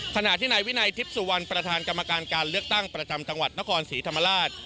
ขณะที่นายวินัยทิพย์สุวรรณประธานกรรมการการเลือกตั้งประจำจังหวัดนครศรีธรรมราช